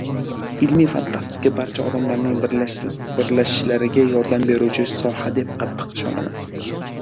Ilmiy fantastika barcha odamlarning birlashishlariga yordam beruvchi soha deb qattiq ishonaman.